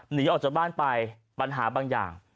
หนีออกจากบ้านไปปัญหาบางอย่าง